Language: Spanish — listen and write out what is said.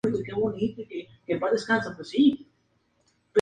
Aunque la canción tiene tres partes, "What God Wants Pt.